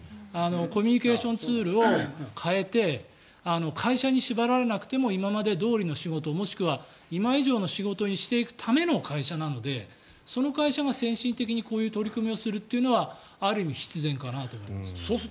コミュニケーションツールを変えて会社に縛られなくても今までどおりの仕事もしくは今以上の仕事にしていくための会社なのでその会社が先進的にこういう取り組みをするというのはある意味、必然かなと思います。